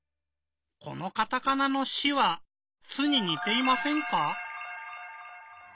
このカタカナの「シ」は「ツ」ににていませんか？